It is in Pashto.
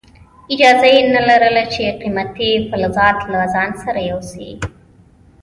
اجازه یې نه لرله چې قیمتي فلزات له ځان سره یوسي.